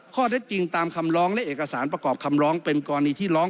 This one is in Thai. ข้อเท็จจริงตามคำร้องและเอกสารประกอบคำร้องเป็นกรณีที่ร้อง